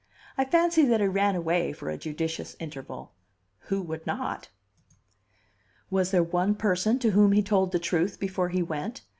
I fancy that he ran away for a judicious interval. Who would not? Was there one person to whom he told the truth before he went?